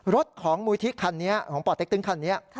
รถของมูลที่คันนี้ของป่อเต็กตึงคันนี้